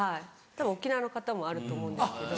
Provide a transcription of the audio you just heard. たぶん沖縄の方もあると思うんですけど。